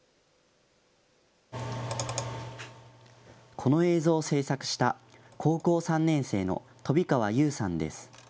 この映像を制作した高校３年生の飛川優さんです。